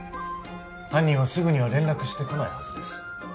犯人はすぐには連絡してこないはずです